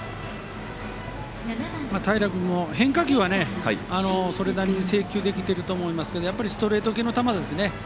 平君も変化球はそれなりに制球できていると思いますけどストレート系の球ですね。